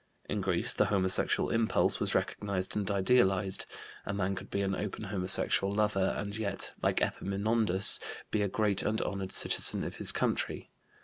In Greece the homosexual impulse was recognized and idealized; a man could be an open homosexual lover, and yet, like Epaminondas, be a great and honored citizen of his country.